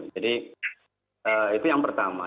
jadi itu yang pertama